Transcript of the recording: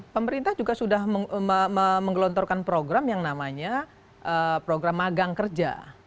pemerintah juga sudah menggelontorkan program yang namanya program magang kerja